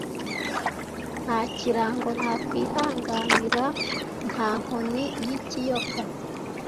Nta kirango nakwihanganiranta nkoni yikiyoka